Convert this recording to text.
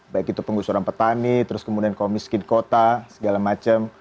baik itu penggusuran petani terus kemudian komiskin kota segala macam